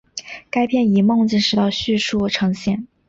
该片以梦境式的叙述呈现。